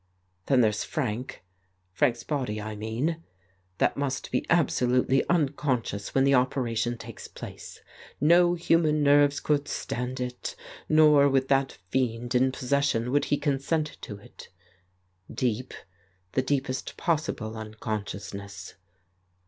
... Then there's Frank, Frank's body, I mean. That must be absolutely unconscious when the operation takes place ; no human nerves could stand it, nor with that fiend in possession would he consent to it. ... Deep, the deepest possible unconsciousness.